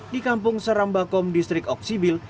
di kampung serambakom distrik oksibil